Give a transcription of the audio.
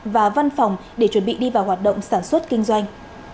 và văn phòng để chuẩn bị đi vào hoạt động sản xuất kinh doanh